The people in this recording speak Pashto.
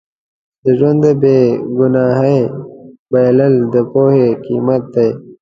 د ژوند د بې ګناهۍ بایلل د پوهې قیمت دی.